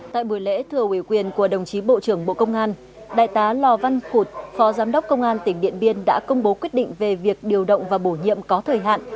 tại buổi lễ thừa ủy quyền của đồng chí bộ trưởng bộ công an đại tá lò văn cụt phó giám đốc công an tỉnh điện biên đã công bố quyết định về việc điều động và bổ nhiệm có thời hạn